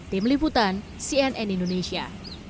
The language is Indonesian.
tim liputan cnn indonesia